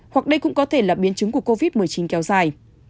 hoặc đây cũng có thể là biến chứng của covid một mươi chín kéo dài